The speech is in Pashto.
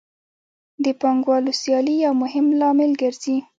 د پانګوالو سیالي یو مهم لامل ګرځي